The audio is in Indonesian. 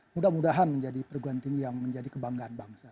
mudah mudahan menjadi perguruan tinggi yang menjadi kebanggaan bangsa